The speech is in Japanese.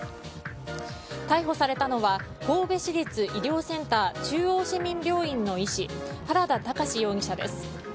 逮捕されたのは神戸市立医療センター中央市民病院の医師原田崇史容疑者です。